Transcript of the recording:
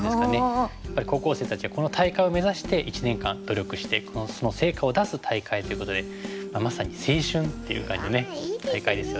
やっぱり高校生たちはこの大会を目指して一年間努力してその成果を出す大会ということでまさに青春っていう感じの大会ですよね。